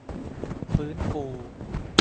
ฟื้นฟู